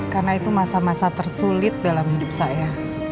karena itu masa masa tersulit dalam hidup saya